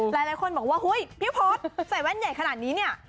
หลายคนบอกว่าพี่โพธใส่แว่นใหญ่ขนาดนี้